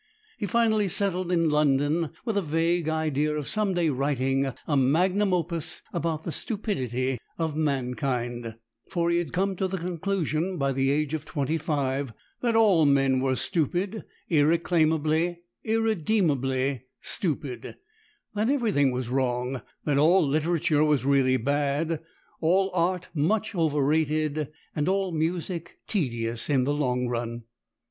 He finally settled in London with a vague idea of some day writing a magnum opus about the stupidity of mankind; for he had come to the conclusion by the age of twenty five that all men were stupid, irreclaimably, irredeemably stupid; that everything was wrong; that all literature was really bad, all art much overrated, and all music tedious in the long run.